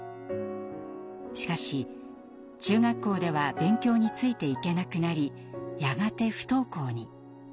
しかし中学校では勉強についていけなくなりやがて不登校に。